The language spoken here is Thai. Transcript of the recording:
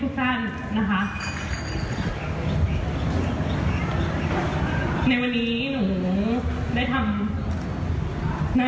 หนูก็คิดว่าหนูทำหน้าที่ลูกคนหนึ่งนะคะ